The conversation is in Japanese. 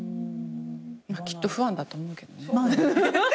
きっとファンだと思うけどね。